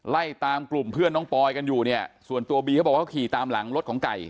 ไล่ตามกลุ่มเพื่อนน้องปอยกันอยู่เนี่ยส่วนตัวบีเขาบอกว่าเขาขี่ตามหลังรถของไก่